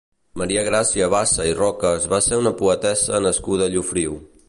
Maria Gràcia Bassa i Rocas va ser una poetessa nascuda a Llofriu.